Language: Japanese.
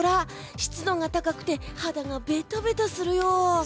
湿度が高くて肌がべとべとするよ。